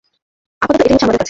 আপাতত এটাই আছে আমাদের কাছে।